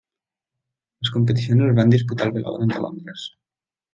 Les competicions es van disputar al Velòdrom de Londres.